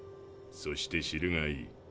そして知るがいい。